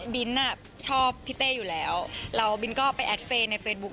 บินน่ะชอบพี่เต้อยู่แล้วเราบินก็ไปแอดเฟซในเฟซบุ๊ค